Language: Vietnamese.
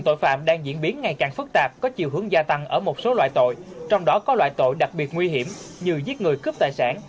tội phạm đang diễn biến ngày càng phức tạp có chiều hướng gia tăng ở một số loại tội trong đó có loại tội đặc biệt nguy hiểm như giết người cướp tài sản